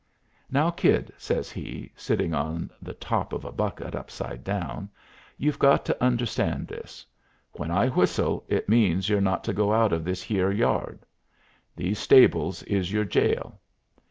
"Now, Kid," says he, sitting on the top of a bucket upside down, "you've got to understand this. When I whistle it means you're not to go out of this 'ere yard. These stables is your jail.